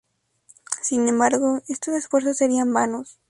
Sin embargo, estos esfuerzos serían vanos.